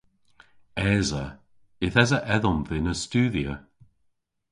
Esa. Yth esa edhom dhyn a studhya.